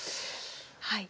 はい。